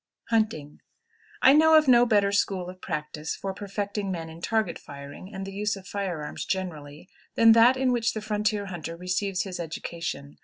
HUNTING. I know of no better school of practice for perfecting men in target firing, and the use of firearms generally, than that in which the frontier hunter receives his education.